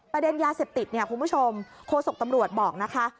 ยาเสพติดเนี่ยคุณผู้ชมโฆษกตำรวจบอกนะคะ